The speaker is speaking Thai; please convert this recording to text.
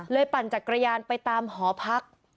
ปั่นจักรยานไปตามหอพัก